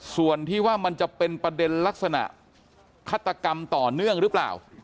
ส่วนที่ว่ามันจะเป็นประเด็นลักษณะฆาตกรรมต่อเนื่องหรือเปล่า